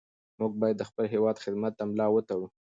موږ باید د خپل هېواد خدمت ته ملا وتړو.